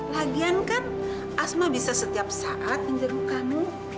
lagian kan asma bisa setiap saat menjeruk kamu